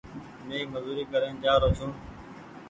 مينٚ مزوري ڪرين جآرو ڇو